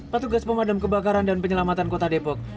petugas pemadam kebakaran dan penyelamatan kota depok